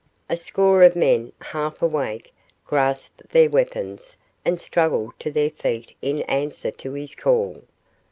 A score of men, half awake, grasped their weapons and struggled to their feet in answer to his call.